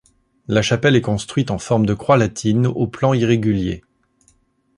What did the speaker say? La chapelle est construite en forme de croix latine au plan irrégulier.